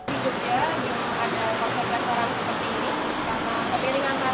karena kepingan antara juga itu menjadi salah satu ketinggalan